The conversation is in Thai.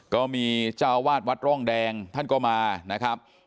ก็มีเจ้าวาดวัดร่องแดงท่านก็มานะครับ